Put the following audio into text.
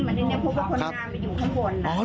เพราะว่าคนงานมันอยู่ข้างบน